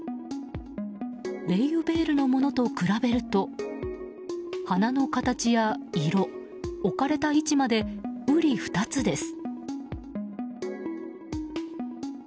ベイユヴェールのものと比べると花の形や色、置かれた位置まで瓜二つです。